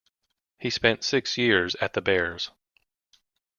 He spent six years at the Bears.